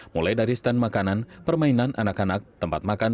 mulai dari stand makanan permainan anak anak tempat makan